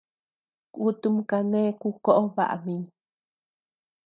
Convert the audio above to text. Kutum kane ku koʼo baʼa mi.